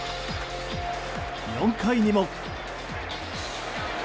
４回にも。